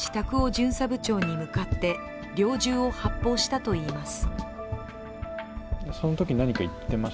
巡査部長に向かって猟銃を発砲したといいます。